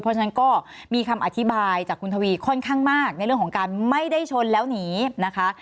เพราะฉะนั้นก็มีคำอธิบายจากคุณทวีค่อนข้างมากในเรื่องของการไม่ได้ชนแล้วหนีนะคะ